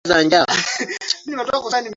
zao ambalo linaweza likamsaidia huyu